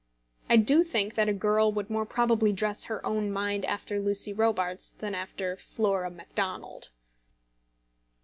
I do think that a girl would more probably dress her own mind after Lucy Robarts than after Flora Macdonald.